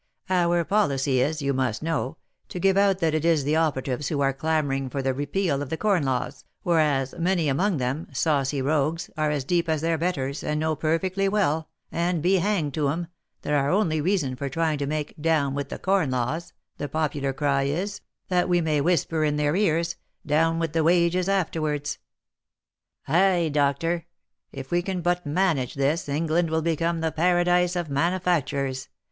Our policy is, you must know, to give out that it is the operatives who are clamour ing for the repeal of the corn laws, whereas many among them, saucy rogues, are as deep as their betters, and know perfectly well, and be hanged to 'em, that our only reason for trying to make * down with the corn laws, 7 the popular cry is, that we may whisper in their ears, ' down with the wages ' afterwards. Ay, doctor, if we can but manage this England will become the paradise of manufacturers